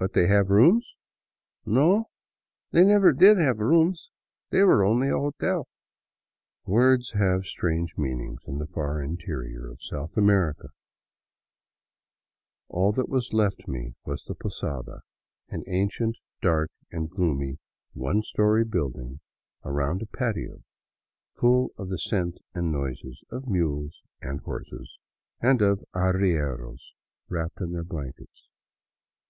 " But they have rooms ?"" No, they never did have rooms. They were only a hotel." Words have strange meanings in the far interior of South America. All that was left me was the posada, an ancient, dark, and gloomy one story building around a patio, full of the scent and noises of mules and horses, and of arrieros wrapped in their blankets.